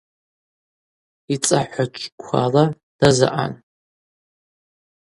Йцӏахӏвачӏвквала дазаъан.